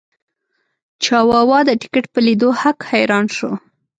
چاواوا د ټکټ په لیدو هک حیران شو.